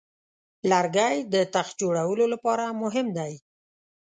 لرګی د تخت جوړولو لپاره مهم دی.